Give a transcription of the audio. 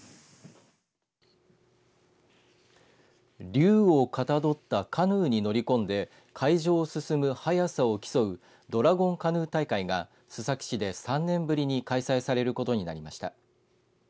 竜をかたどったカヌーに乗り込んで会場を進む速さを競うドラゴンカヌー大会が須崎市で３年ぶりに開催されることになりました。